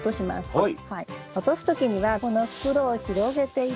はい。